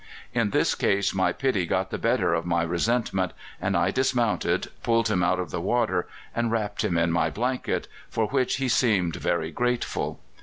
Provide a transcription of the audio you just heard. In this case my pity got the better of my resentment, and I dismounted, pulled him out of the water and wrapped him in my blanket, for which he seemed very grateful.